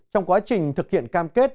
trong quá trình thực hiện cam kết